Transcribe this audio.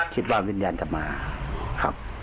คิดว่าวิญญาณจะมาครับ